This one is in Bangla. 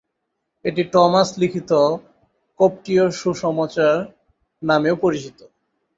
এটি টমাস লিখিত কপ্টীয় সুসমাচার নামেও পরিচিত।